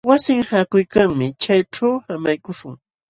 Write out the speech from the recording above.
Wasin haakuykanmi. Chayćhu samaykuśhun.